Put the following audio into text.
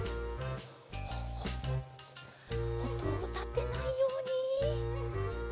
おとをたてないように。